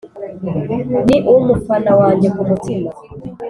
ni umufana wange ku mutima